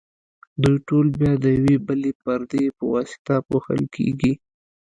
دوی ټول بیا د یوې بلې پردې په واسطه پوښل کیږي.